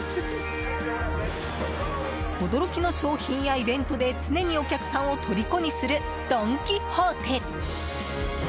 驚きの商品やイベントで常にお客さんをとりこにするドン・キホーテ。